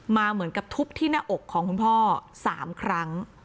เหมือนกับทุบที่หน้าอกของคุณพ่อ๓ครั้ง